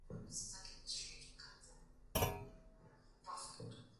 utafiti uliotolewa katika jarida la matibabu la Lancet